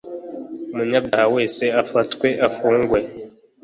umunyabyahawese afatwe afungwe.